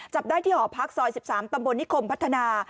จับได้ที่หอพักซอย๑๓ตำบลนิคมพัฒนา